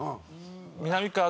みなみかわ